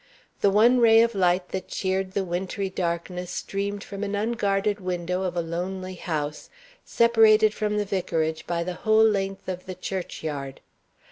The one ray of light that cheered the wintry darkness streamed from the unguarded window of a lonely house, separated from the vicarage by the whole length of the church yard.